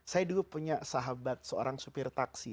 saya dulu punya sahabat seorang supir taksi